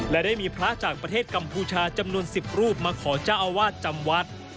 และได้มีพระจากประเทศกัมพูชาจำนวน๑๐รูปมาขอเจ้าอาวาสจำวัด